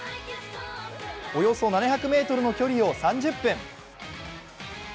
およそ７００ｍの距離を３０分。